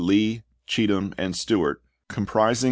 Lee, Cheatham, and Stewart, comprising chap.